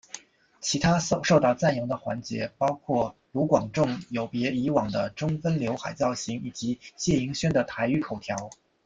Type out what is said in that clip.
其他受到赞扬的环节包括卢广仲有别以往的中分浏海造型以及谢盈萱的台语口条。